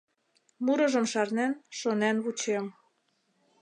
Мурыжым шарнен, шонен вучем